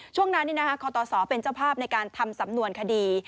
ช่วงนั้นคตศเป็นเจ้าภาพในการทำสำนวนคดี